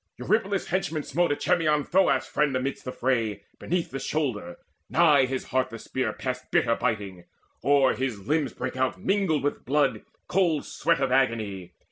Eurypylus' henchman smote Echemmon, Thoas' friend, amidst the fray Beneath the shoulder: nigh his heart the spear Passed bitter biting: o'er his limbs brake out Mingled with blood cold sweat of agony.